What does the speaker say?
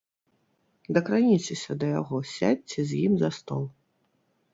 Дакраніцеся да яго, сядзьце з ім за стол.